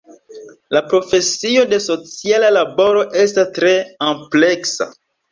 La profesio de sociala laboro estas tre ampleksa.